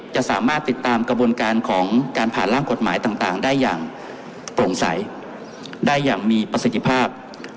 จะสามารถติดตามกระบวนการของการผ่านร่างกฎหมายต่างได้อย่างโปร่งใสได้อย่างมีประสิทธิภาพ